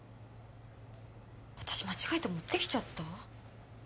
私間違えて持ってきちゃった？